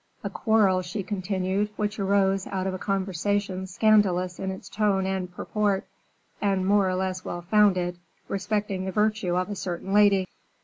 "A quarrel," she continued, "which arose out of a conversation scandalous in its tone and purport, and more or less well founded, respecting the virtue of a certain lady."